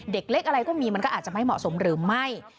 เด็กเล็กอะไรก็มีมันก็อาจจะไม่เหมาะสมหรือไม่